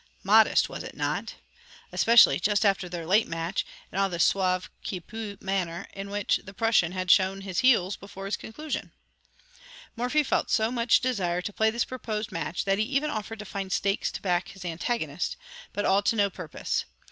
Modest, was it not? especially just after their late match, and the sauve qui peut manner in which the Prussian had shown his heels before its conclusion? Morphy felt so much desire to play this proposed match, that he even offered to find stakes to back his antagonist, but all to no purpose.